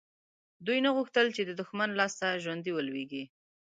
دوی نه غوښتل چې د دښمن لاسته ژوندي ولویږي.